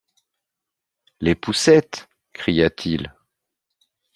Les poucettes ! cria-t-il.